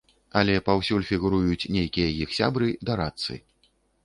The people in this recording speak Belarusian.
Але паўсюль фігуруюць нейкія іх сябры, дарадцы.